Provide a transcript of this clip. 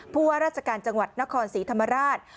ผู้ว่าราชการจังหวัดนครศรีธรรมราช